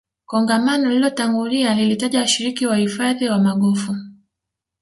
kongamano lililotangulia lilitaja washiriki wa uhifadhi wa magofu